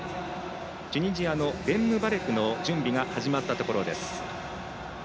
チュニジアのベンムバレクの準備が始まったところです。